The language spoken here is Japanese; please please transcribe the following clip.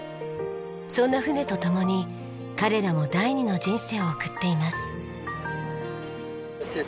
そんな船と共に彼らも第二の人生を送っています。